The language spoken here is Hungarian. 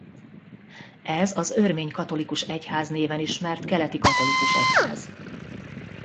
Ez az örmény katolikus egyház néven ismert keleti katolikus egyház.